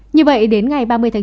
như vậy đến ngày ba mươi tháng chín